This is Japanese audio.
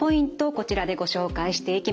こちらでご紹介していきます。